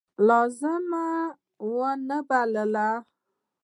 لازمه ونه بلله.